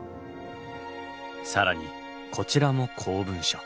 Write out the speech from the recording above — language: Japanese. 更にこちらも公文書。